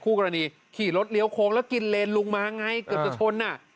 กรณีขี่รถเลี้ยวโค้งแล้วกินเลนลุงมาไงเกือบจะชนอ่ะ